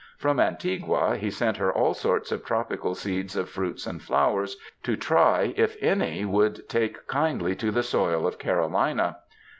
From Antigua he sent her all sorts of tropical seeds of fruits and flowers, to try if any would take kindly to the soil of Carolina.